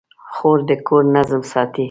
خور د کور نظم ساتي.